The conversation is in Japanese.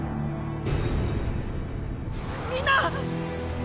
みんな！